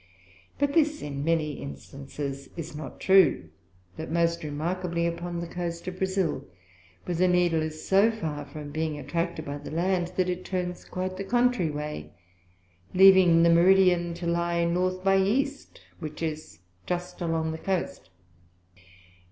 But this in many Instances is not true; but most remarkably upon the Coast of Brazile, where the Needle is so far from being attracted by the Land, that it turns the quite contrary way, leaving the Meridian to lye N b E, which is just along the Coast.